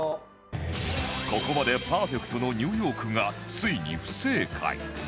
ここまでパーフェクトのニューヨークがついに不正解